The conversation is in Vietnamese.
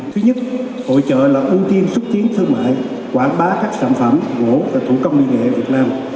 thứ nhất hội chợ là ưu tiên xuất chiến thương mại quảng bá các sản phẩm gỗ và thủ công nghệ việt nam